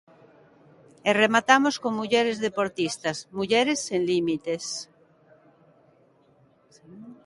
E rematamos con mulleres deportistas, mulleres sen límites.